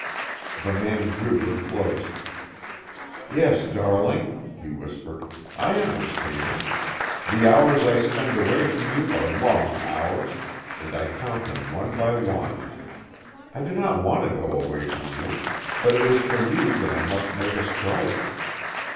The man drew her close, "Yes, darling," he whispered, "I understand. The hours I spend away from you are long hours, and I count them one by one. I do not want to go away from you, but it is for you that I must make a strike."